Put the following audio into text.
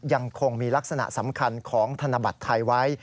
ยังคงมีลักษณะสำคัญของธนบัตรไทยไว้